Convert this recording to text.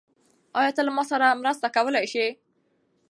آیا ته له ما سره مرسته کولی شې؟